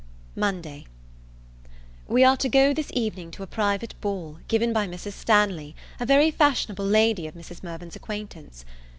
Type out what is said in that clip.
Monday. We are to go this evening to a private ball, given by Mrs. Stanley, a very fashionable lady of Mrs. Mirvan's acquaintance.